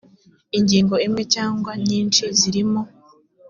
ingingo imwe cyangwa nyinshi zirimo